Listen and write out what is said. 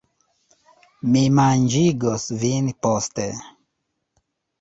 Mi manĝigos vin poste